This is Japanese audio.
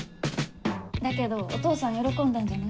だけどお父さん喜んだんじゃない？